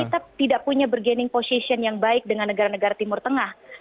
kita tidak punya bergening position yang baik dengan negara negara timur tengah